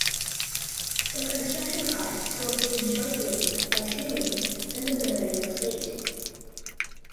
The construction costs were paid jointly by Siemens and the Bavarian state.